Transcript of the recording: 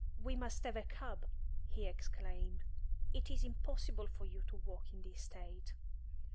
"We must have a cab," he exclaimed. "It is impossible for you to walk in this state."